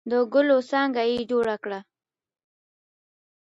د ګلو څانګه یې جوړه کړه.